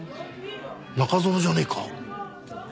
中園じゃねえか？